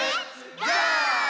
ゴー！。